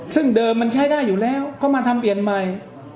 ซึ่งเดิมมันใช้ได้อยู่แล้วก็มาทำเปลี่ยนใหม่